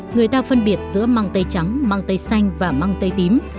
người ta phân biệt giữa mang tây trắng mang tây xanh và mang tây tím